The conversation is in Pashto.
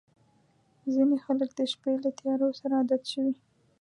• ځینې خلک د شپې له تیارو سره عادت شوي.